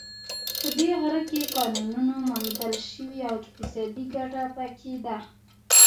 په دې غره کې کانونو موندل شوې او اقتصادي ګټه په کې ده